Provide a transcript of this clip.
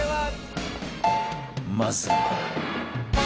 まずは